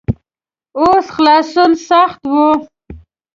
اوس خلاصون سخت وي.